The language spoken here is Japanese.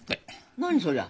何そりゃ。